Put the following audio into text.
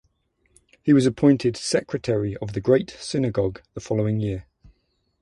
He was appointed secretary of the Great Synagogue the following year.